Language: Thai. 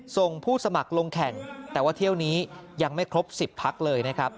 ส่งผู้สมัครลงแข่งแต่ว่าเที่ยวนี้ยังไม่ครบ๑๐พักเลยนะครับ